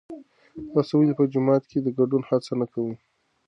تاسو ولې په جماعت کې د ګډون هڅه نه کوئ؟